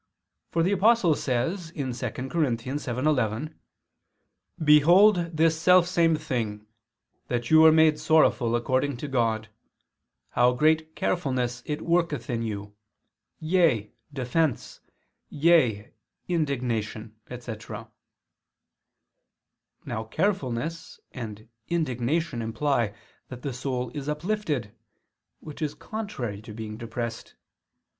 For the Apostle says (2 Cor. 7:11): "Behold this self same thing, that you were made sorrowful according to God, how great carefulness it worketh in you: yea, defence, yea indignation," etc. Now carefulness and indignation imply that the soul is uplifted, which is contrary to being depressed.